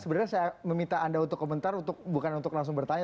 sebenarnya saya meminta anda untuk komentar bukan untuk langsung bertanya